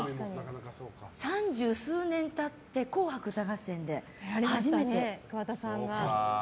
三十数年経って「紅白歌合戦」で初めて。